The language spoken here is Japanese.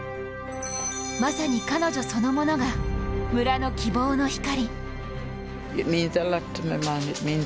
まさに彼女そのものが村の希望の光。